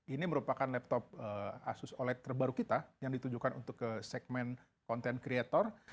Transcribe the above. ini merupakan laptop asus oled terbaru kita yang ditujukan untuk ke segmen content creator